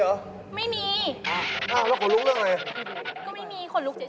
ก็มีผีละน่าขันลุกล่ะไหมก็ไม่มีขันลุกเฉย